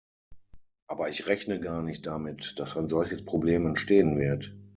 Aber ich rechne gar nicht damit, dass ein solches Problem entstehen wird.